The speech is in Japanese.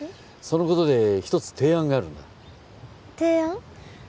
そのことで１つ提案があるんだ提案？